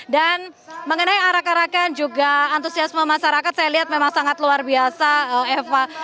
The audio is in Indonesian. dan mengenai arak arakan juga antusiasme masyarakat saya lihat memang sangat luar biasa eva